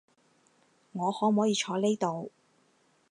我可唔可以坐呢度？